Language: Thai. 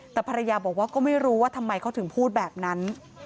แต่ภรรยาบอกว่าก็ไม่รู้ว่าทำไมเขาถึงพูดแบบนั้น